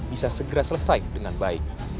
bisa segera selesai dengan baik